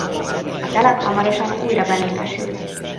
A telep hamarosan újra benépesült.